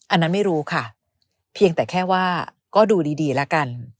อันนั้นไม่รู้ค่ะเพียงแต่แค่ว่าก็ดูดีแล้วกัน